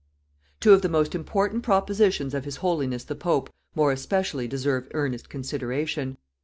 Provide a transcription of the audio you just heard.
Two of the most important propositions of His Holiness the Pope more especially deserve earnest consideration.